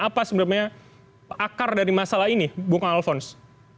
apa sebenarnya akar dari masalah ini bung alphonse